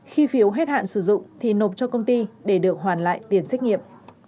khi phiếu hết hạn sử dụng thì nộp cho công ty để được hoàn lại tiền xét nghiệm